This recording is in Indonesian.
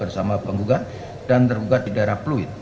bersama penggugat dan tergugat di daerah pluit